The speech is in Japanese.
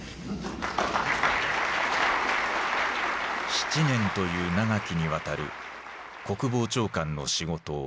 ７年という長きにわたる国防長官の仕事を終えた。